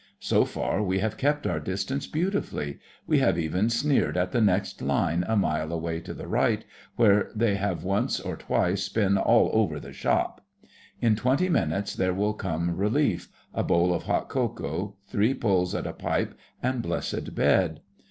So far, we have kept our distance beautifully: we have even sneered at the next line a mile away to the right, where they have once or twice been 'all over the shop.' In twenty minutes there will come relief, a bowl of hot cocoa, three pulls at a pipe, and blessed bed.